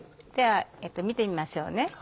では見てみましょう。